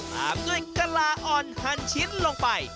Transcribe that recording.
ตามด้วยกะลาอ่อนหันชิ้นลงไป